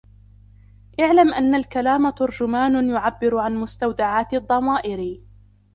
اعْلَمْ أَنَّ الْكَلَامَ تَرْجُمَانٌ يُعَبِّرُ عَنْ مُسْتَوْدَعَاتِ الضَّمَائِرِ